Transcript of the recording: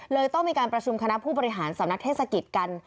ต้องมีการประชุมคณะผู้บริหารสำนักเทศกิจกัน